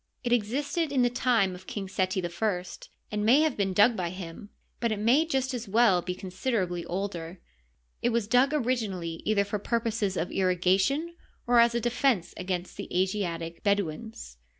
It existed in the time of King Seti I, and may have been dug by him, but it may just as well be considerably older. It was dug originally either for purposes of irrigation or as a defense against the Asiatic Bedouins.